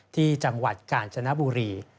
ที่จังหวัดกาญจนบุรี